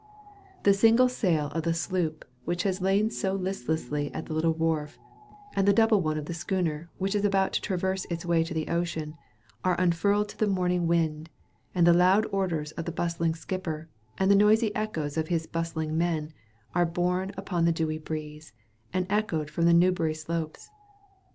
The single sail of the sloop which has lain so listless at the little wharf, and the double one of the schooner which is about to traverse its way to the ocean, are unfurled to the morning wind, and the loud orders of the bustling skipper, and the noisy echoes of his bustling men, are borne upon the dewy breeze, and echoed from the Newbury slopes.